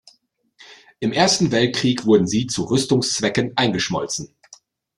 Im Ersten Weltkrieg wurden sie zu Rüstungszwecken eingeschmolzen.